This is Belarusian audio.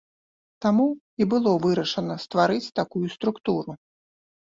Таму і было вырашана стварыць такую структуру.